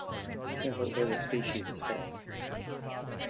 Several other species of sect.